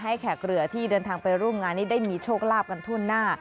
แขกเรือที่เดินทางไปร่วมงานนี้ได้มีโชคลาภกันทั่วหน้า